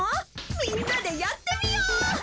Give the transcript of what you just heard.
みんなでやってみよう！